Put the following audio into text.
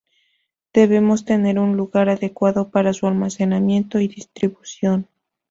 Debemos tener un lugar adecuado para su almacenamiento y distribución.